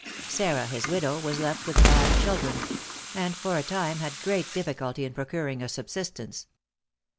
Sarah, his widow, was left with five children; and for a time had great difficulty in procuring a subsistence.